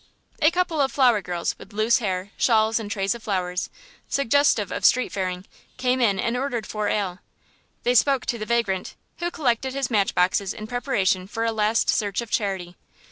A couple of flower girls with loose hair, shawls, and trays of flowers, suggestive of streetfaring, came in and ordered four ale. They spoke to the vagrant, who collected his match boxes in preparation for a last search for charity.